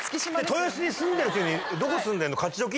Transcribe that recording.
豊洲に住んでる人に「どこ住んでんの？勝どき？」